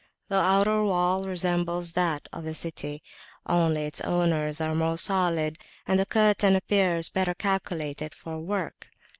The outer wall resembles that of the city, only its towers are more solid, and the curtain appears better calculated for work.